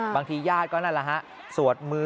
บางทีญาติก็นั่นแหละฮะ